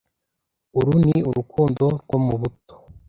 uru ni urukundo rwo mu buto,